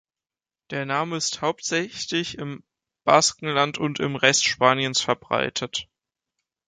Der Name ist hauptsächlich im Baskenland und im Rest Spaniens verbreitet.